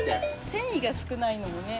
・繊維が少ないのでね。